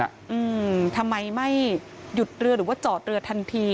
อืมทำไมไม่หยุดเรือหรือว่าจอดเรือทันที